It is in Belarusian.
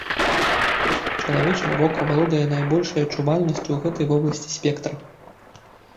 Чалавечае вока валодае найбольшай адчувальнасцю ў гэтай вобласці спектра.